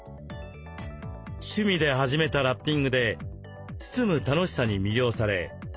趣味で始めたラッピングで包む楽しさに魅了され